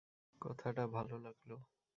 কথাটা ভালো লাগলো।